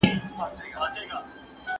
د لويي جرګې د جوړولو غوښتنه څوک کوي؟